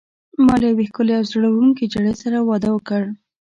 ما له یوې ښکلي او زړه وړونکي نجلۍ سره واده وکړ.